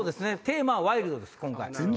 テーマはワイルドです。